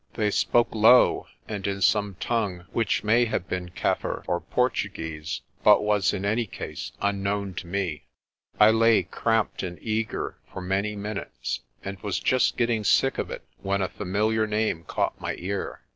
They spoke low, and in some tongue which may have been Kaffir or Portuguese, but was in any case unknown to me. I lay, cramped and eager, for many minutes, and was just getting sick of it when a familiar name caught my ear.